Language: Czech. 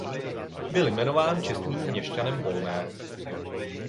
Byl jmenován čestným měšťanem Polné.